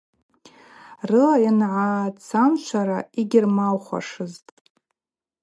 Рыла йангӏацӏамшвара йгьырмаухуашызтӏ.